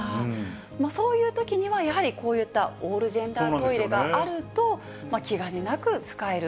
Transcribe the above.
そういうときにはやはり、こういったオールジェンダートイレがあると、気兼ねなく使える。